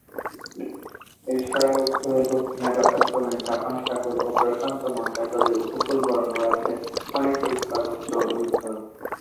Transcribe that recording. এছাড়া উত্তর ও দক্ষিণে যথাক্রমে জাপান সাগর ও প্রশান্ত মহাসাগরীয় উপকূল বরাবর আছে অনেকগুলি পার্বত্য রিসর্ট।